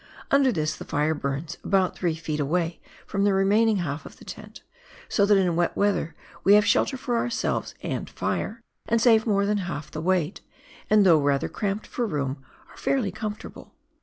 Under this the fire burns about 3 ft. away from the remaining half of the tent, so that in wet weather we have shelter for ourselves and fire, and save more than half the weight, and though rather cramped for room are fairly comfortable.